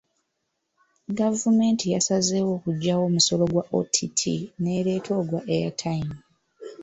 Gavumenti yasazeewo okuggyawo omusolo gwa OTT n’ereeta ogwa Airtime.